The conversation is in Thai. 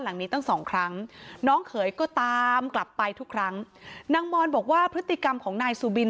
หลังนี้ตั้งสองครั้งน้องเขยก็ตามกลับไปทุกครั้งนางมอนบอกว่าพฤติกรรมของนายสุบิน